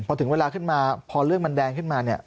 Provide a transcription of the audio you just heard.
พอถึงเวลาขึ้นมาพอเรื่องมันแดงขึ้นมาเนี่ย